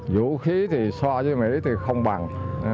vũ khí thì so với mỹ thì không bằng